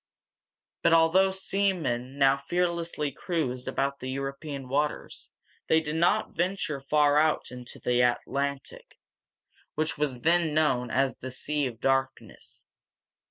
But although seamen now fearlessly cruised about the European waters, they did not venture far out into the Atlantic, which was then known as the "Sea of Darkness."